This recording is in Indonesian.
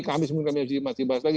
kamis mungkin masih dibahas lagi